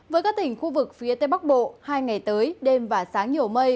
với các tỉnh khu vực phía tây bắc bộ hai ngày tới đêm và sáng nhiều mây